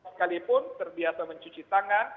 sekalipun terbiasa mencuci tangan